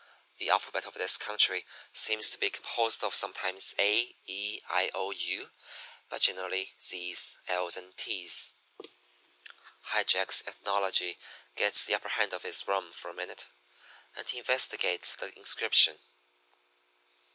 The alphabet of this country seems to be composed of sometimes a, e, i, o, and u, but generally z's, l's, and t's.' "High Jack's ethnology gets the upper hand of his rum for a minute, and he investigates the inscription.